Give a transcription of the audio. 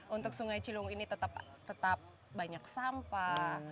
untuk sungai cilung ini tetap banyak sampah